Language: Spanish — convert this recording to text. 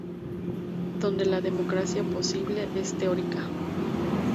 Donde "La democracia posible" es teórica.